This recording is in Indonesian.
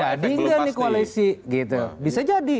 nggak nih koalisi gitu bisa jadi